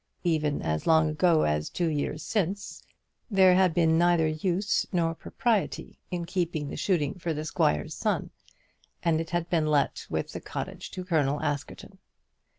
Even as long ago as two years since, there had been neither use nor propriety in keeping the shooting for the squire's son, and it had been let with the cottage to Colonel Askerton.